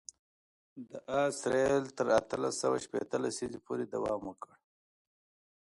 د آس رېل تر اتلس سوه شپېته لسیزې پورې دوام وکړ.